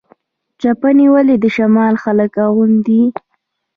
چپنې ولې د شمال خلک اغوندي؟